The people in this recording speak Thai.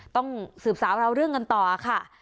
ต้องสืบสาวเราเรื่องกันต่อค่ะ